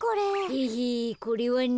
ヘヘこれはね。